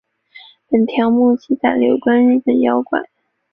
本条目记载了有关日本的妖怪。